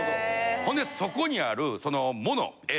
ほんでそこにある物え